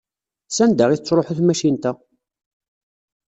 Sanda i tettṛuḥu tmacint-a?